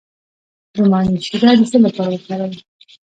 د مڼې شیره د څه لپاره وکاروم؟